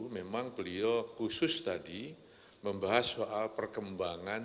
memang beliau khusus tadi membahas soal perkembangan